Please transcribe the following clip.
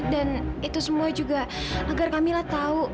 dan itu semua juga agar kamila tahu